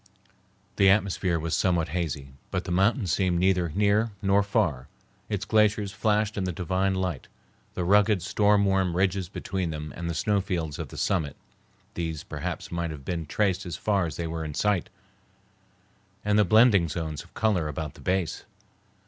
The atmosphere was somewhat hazy, but the mountain seemed neither near nor far. Its glaciers flashed in the divine light. The rugged, storm worn ridges between them and the snowfields of the summit, these perhaps might have been traced as far as they were in sight, and the blending zones of color about the base.